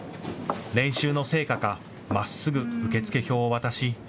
練習の成果か、まっすぐ受付票を渡し。